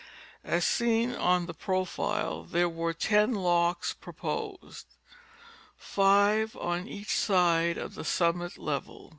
As seen on the profile there were ten locks proposed, five on each side of the summit level.